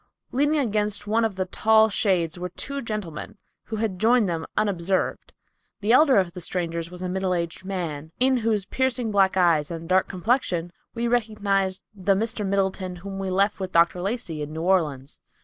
Leaning against one of the tall shade trees were two gentlemen, who had joined them unobserved. The elder of the strangers was a middle aged man, in whose piercing black eyes and dark complexion we recognize the Mr. Middleton whom we left with Dr. Lacey in New Orleans.